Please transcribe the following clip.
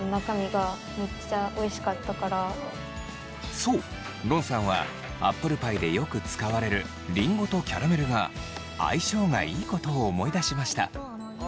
そうロンさんはアップルパイでよく使われるリンゴとキャラメルが相性がいいことを思い出しました。